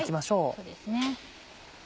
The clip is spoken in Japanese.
そうですね。